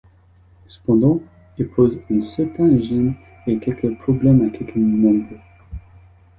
Cependant, il pose une certaine gêne et quelques problèmes à quelques membres.